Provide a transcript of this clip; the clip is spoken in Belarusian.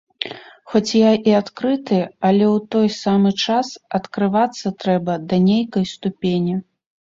Хоць я і адкрыты, але ў той самы час адкрывацца трэба да нейкай ступені.